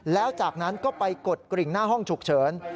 แล้วจากนั้นก็ไปกดกริ่งหน้าห้องฉุกเฉิน